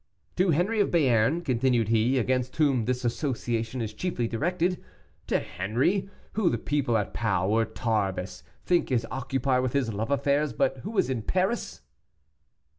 "To Henri of Béarn," continued he, "against whom this association is chiefly directed to Henri, who the people at Pau, or Tarbes, think is occupied with his love affairs, but who is in Paris!"